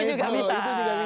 itu juga bisa